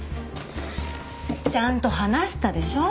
ちゃんと話したでしょ？